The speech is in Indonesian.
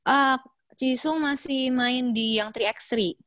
ah chisung masih main di yang tiga x tiga